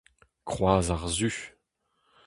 Kroaz ar Su.